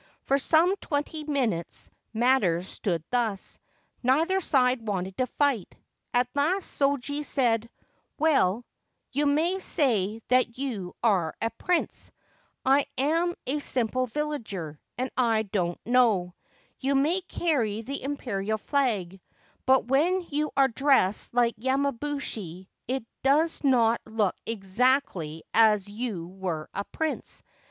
For some twenty minutes matters stood thus. Neither side wanted to fight. At last Shoji said :' Well, you may say that you are a prince ! I am a simple villager, and I don't know. You may carry the Imperial flag ; but when you are dressed like yamabushi it does not look exactly as if you were a prince.